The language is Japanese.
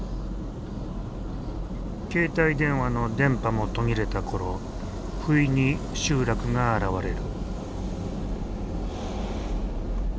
携帯電話の電波も途切れたころふいに集落が現れる。